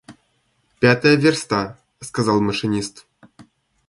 — Пятая верста, — сказал машинист.